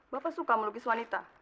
bapak suka melukis wanita